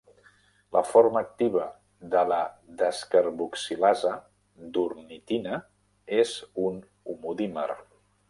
La forma activa de la descarboxilasa d'ornitina és un homodímer.